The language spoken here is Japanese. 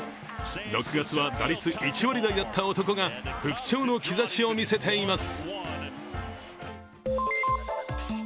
６月は打率１割台だった男が、復調の兆しを見せています。